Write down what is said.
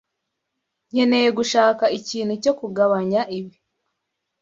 Nkeneye gushaka ikintu cyo kugabanya ibi.